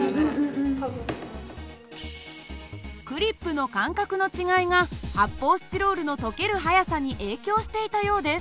クリップの間隔の違いが発泡スチロールの溶ける速さに影響していたようです。